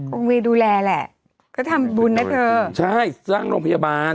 เวย์ดูแลแหละก็ทำบุญนะเธอใช่สร้างโรงพยาบาล